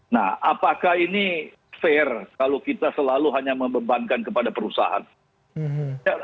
nah apakah ini fair kalau kita selalu hanya membebankan kepada perusahaan